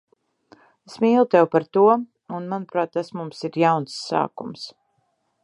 Es mīlu tevi par to un, manuprāt, tas mums ir jauns sākums.